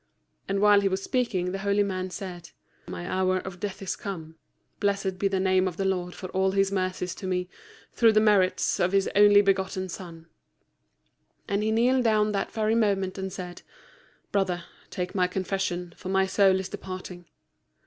And while he was speaking, the holy man said, "My hour of death is come; blessed be the name of the Lord for all his mercies to me, through the merits of his only begotten Son." And he kneeled down that very moment, and said, "Brother, take my confession, for my soul is departing."